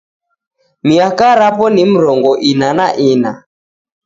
Miaka rapo ni mrongo ina na ina.